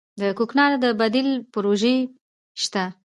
د کوکنارو د بدیل پروژې شته؟